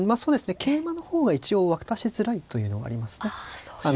桂馬の方が一応渡しづらいというのがありますね。